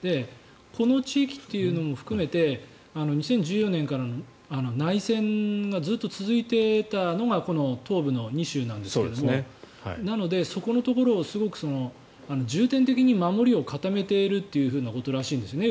この地域というのも含めて２０１４年からの内戦がずっと続いていたのがこの東部の２州なんですがなので、そこのところをすごく重点的に守りを固めているということらしいんですね。